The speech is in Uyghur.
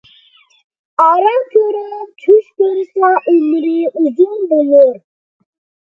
ئارا كۆرۈپ چۈش كۆرسە ئۆمرى ئۇزۇن بولۇر.